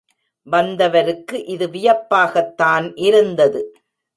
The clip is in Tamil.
வந்தவருக்கு இது வியப்பாகத்தான் இருந்தது.